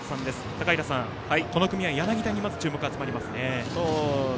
高平さん、この組は柳田に注目が集まりますね。